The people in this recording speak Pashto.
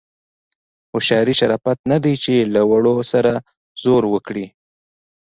هوښیاري شرافت نه دی چې له وړو سره زور وکړي.